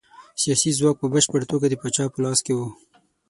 سیاسي ځواک په بشپړه توګه د پاچا په لاس کې و.